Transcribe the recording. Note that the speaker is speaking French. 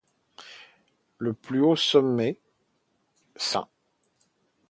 Le plus haut sommet, St.